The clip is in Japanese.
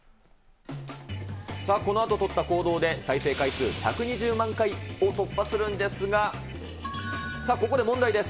さあ、このあと取った行動で再生回数１２０万回を突破するんですが、さあ、ここで問題です。